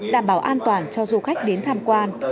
đảm bảo an toàn cho du khách đến tham quan